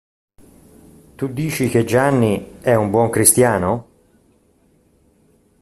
Tu dici che Gianni è un buon cristiano?